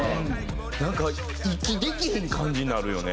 なんか息できへん感じになるよね。